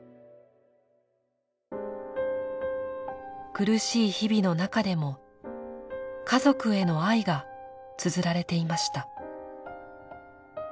苦しい日々のなかでも家族への愛がつづられていました。